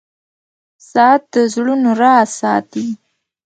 • ساعت د زړونو راز ساتي.